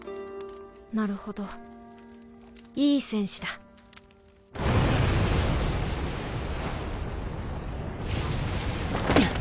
なるほどいい戦士だんっ！